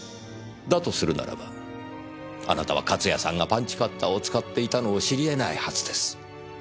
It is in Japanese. だとするならばあなたは勝谷さんがパンチカッターを使っていたのを知りえないはずです。